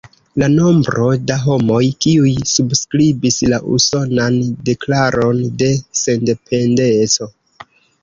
La nombro da homoj kiuj subskribis la Usonan Deklaron de Sendependeco.